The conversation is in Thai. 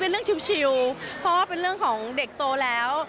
เพราะว่าเป็นเรื่องของเด็กโตแล้ว